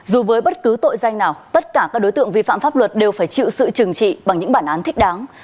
dù với bất cứ tội danh nào tất cả các đối tượng vi phạm pháp luật đều phải chịu sự trừng trị bằng những bản án thích đáng